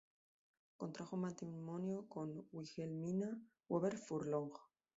Contrajo matrimonio con Wilhelmina Weber Furlong.